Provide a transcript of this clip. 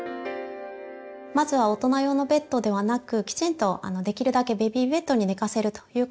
まずは大人用のベッドではなくきちんとできるだけベビーベッドに寝かせるということが大切です。